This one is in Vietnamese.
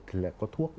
thì lại có thuốc